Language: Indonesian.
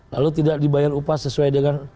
lalu tidak dibayar upah sesuai dengan